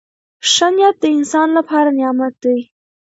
• ښه نیت د انسان لپاره نعمت دی.